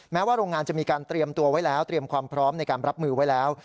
แม้ว่าโรงงานจะมีการเตรียมตัวไว้แล้วเตรียมความพร้อมในการรับมือไว้แล้ว